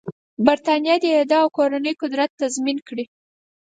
برټانیه دې د ده او کورنۍ قدرت تضمین کړي.